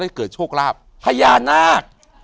เกิดโชคลาภพญานาค